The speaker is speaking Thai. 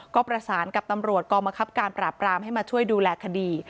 ก็ประสานกับตำรวจกองบังคับการปราบปรามให้มาช่วยดูแลคดี